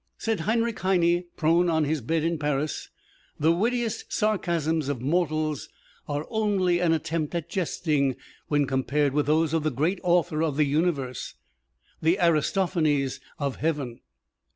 Said Heinrich Heine, prone on his bed in Paris: "The wittiest sarcasms of mortals are only an attempt at jesting when compared with those of the great Author of the Universe the Aristophanes of Heaven!"